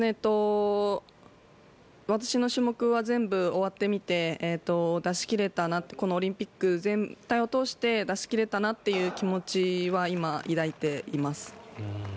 私の種目は全部終わってみて出し切れたなってこのオリンピック全体を通して出し切れたなという気持ちは今、抱いています。